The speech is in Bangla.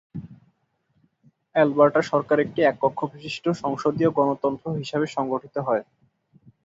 অ্যালবার্টা সরকার একটি এককক্ষবিশিষ্ট সংসদীয় গণতন্ত্র হিসাবে সংগঠিত হয়।